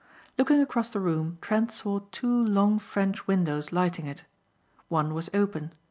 Looking across the room Trent saw two long French windows lighting it. One was open.